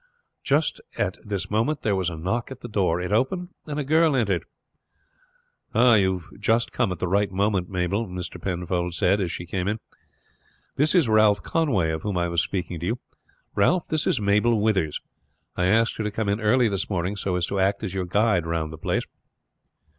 Just at his moment there was a knock at the door. It opened, and a girl entered. "You have just come at the right moment, Mabel," Mr. Penfold said as she came in. "This is Ralph Conway, of whom I was speaking to you. Ralph, this is Mabel Withers. I asked her to come in early this morning so as to act as your guide round the place."